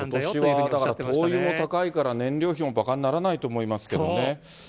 ことしはだから、灯油も高いから、燃料費もばかにならないと思いますけどね。